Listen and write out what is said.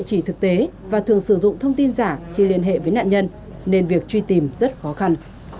các đối tượng không có địa chỉ thực tế và thường sử dụng thông tin giả khi liên hệ với nạn nhân nên việc truy tìm rất khó khăn